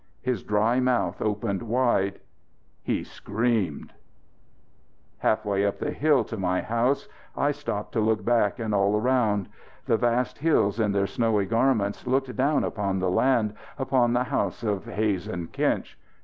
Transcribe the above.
His dry mouth opened wide. He screamed! Halfway up the hill to my house I stopped to look back and all round. The vast hills in their snowy garments looked down upon the land, upon the house of Hazen Kinch.